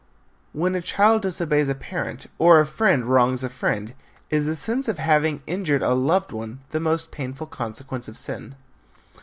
When a child disobeys a parent or a friend wrongs a friend is the sense of having injured a loved one the most painful consequence of sin?